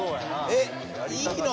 えいいの？